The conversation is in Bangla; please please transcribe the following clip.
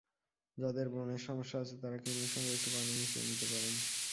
যাঁদের ব্রণের সমস্যা আছে, তাঁরা ক্রিমের সঙ্গে একটু পানি মিশিয়ে নিতে পারেন।